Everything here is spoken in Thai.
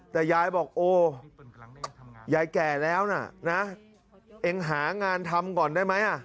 แต่ยายบอกโอ้ยายแก่แล้วนะเองหางานทำก่อนได้ไหม